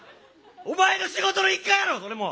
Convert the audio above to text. お前の仕事の一環やろそれも！